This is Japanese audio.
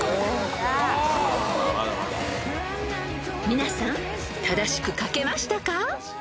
［皆さん正しく書けましたか？］